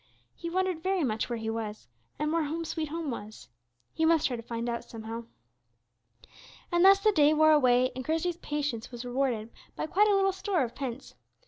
He wondered very much where she was, and where "Home, sweet Home," was. He must try to find out somehow. And thus the day wore away, and Christie's patience was rewarded by quite a little store of pence.